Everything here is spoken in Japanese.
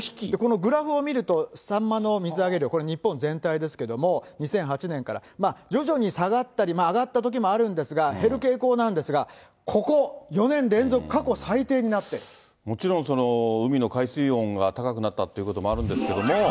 グラフを見ると、サンマの水揚げ量、これ日本全体ですけれども、２００８年から徐々に下がったり、上がったときもあるんですが、減る傾向なんですが、ここ、もちろん、海の海水温が高くなったってこともあるんですけれども。